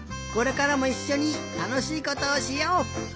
これからもいっしょにたのしいことをしよう！